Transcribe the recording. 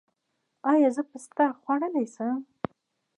ایا زه پسته خوړلی شم؟